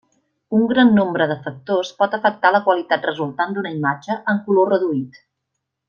Un gran nombre de factors pot afectar la qualitat resultant d'una imatge en color reduït.